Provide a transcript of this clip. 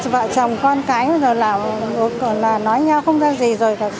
vợ chồng con cái bây giờ là nói nhau không ra gì rồi cả